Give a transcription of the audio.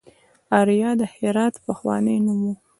اریا د هرات پخوانی نوم و